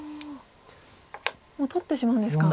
もう取ってしまうんですか。